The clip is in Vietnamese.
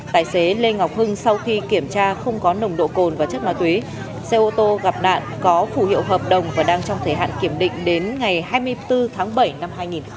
tài xế lê ngọc hưng sau khi kiểm tra không có nồng độ cồn và chất ma túy xe ô tô gặp nạn có phủ hiệu hợp đồng và đang trong thời hạn kiểm định đến ngày hai mươi bốn tháng bảy năm hai nghìn hai mươi